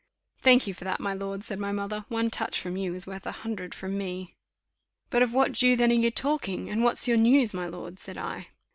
"Thank you for that, my lord," said my mother; "one touch from you is worth a hundred from me." "But of what Jew then are you talking? and what's your news, my lord?" said I.